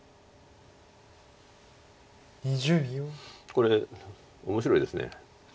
これ面白いです。